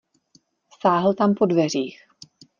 Sáhl tam po dveřích.